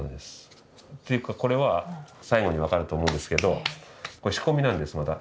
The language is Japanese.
ていうかこれは最後に分かると思うんですけど仕込みなんですまだ。